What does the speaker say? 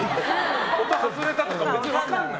音外れたとか別に分からない。